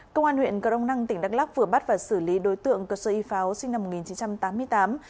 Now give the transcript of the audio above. công an huyện cờ đông năng tỉnh đắk lắc vừa bắt và xử lý đối tượng cờ sơ y pháo sinh năm một nghìn chín trăm tám mươi tám